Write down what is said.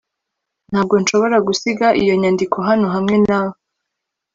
Ntabwo nshobora gusiga iyo nyandiko hano hamwe nawe